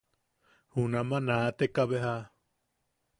Junama naateka beja.